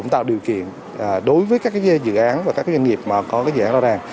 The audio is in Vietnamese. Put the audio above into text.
tạo điều kiện đối với các dự án và các doanh nghiệp mà có dự án lao đàn